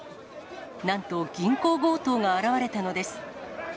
なんと、銀行強盗が現れたのです。